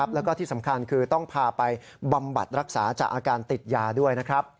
แล้วก็ที่สำคัญคือต้องพาไปบำบัดรักษาจากอาการติดยาด้วยนะครับ